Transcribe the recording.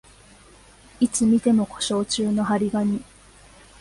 いつ見ても故障中の張り紙